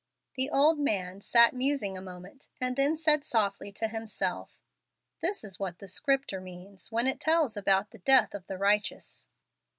The old man sat musing a moment, and then said softly to himself, "This is what the Scripter means when it tells about the 'death of the righteous.'"